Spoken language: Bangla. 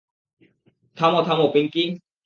থামো, থামো, পিঙ্কি।